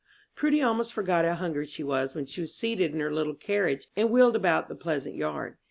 Prudy almost forgot how hungry she was when she was seated in her little carriage and wheeled about the pleasant yard.